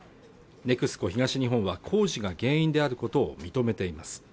ＮＥＸＣＯ東日本は工事が原因であることを認めています